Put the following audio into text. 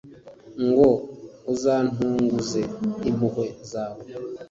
ngo uzantunguze impuhwe zawe,